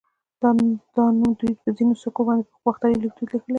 دا نوم دوی په ځینو سکو باندې په باختري ليکدود لیکلی و